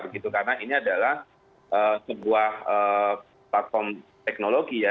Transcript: karena ini adalah sebuah platform teknologi ya